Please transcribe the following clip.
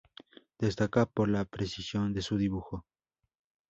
Destaca por la precisión de su dibujo.